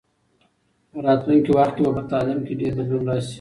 په راتلونکي وخت کې به په تعلیم کې ډېر بدلون راسي.